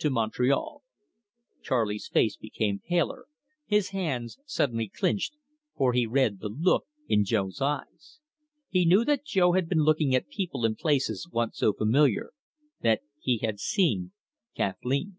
"To Montreal." Charley's face became paler, his hands suddenly clinched, for he read the look in Jo's eyes. He knew that Jo had been looking at people and places once so familiar; that he had seen Kathleen.